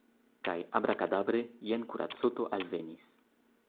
Kaj abrakadabre – jen kuracoto alvenis.